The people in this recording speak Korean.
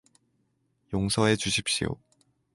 용서해 주십시오